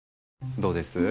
どうです？